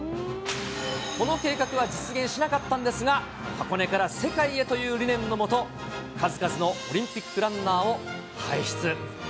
この計画は実現しなかったんですが、箱根から世界へという理念の下、数々のオリンピックランナーを輩出。